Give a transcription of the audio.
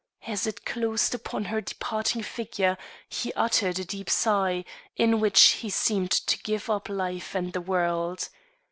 As it closed upon her departing figure, he uttered a deep sigh, in which he seemed to give up life and the world.